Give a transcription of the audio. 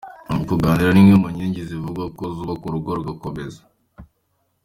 Kuganira ni imwe mu nkingi zivugwa ko zubaka urugo rugakomera.